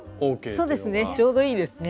そうですねちょうどいいですね。